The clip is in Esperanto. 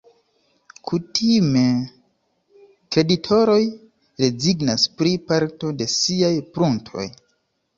Kutime kreditoroj rezignas pri parto de siaj pruntoj.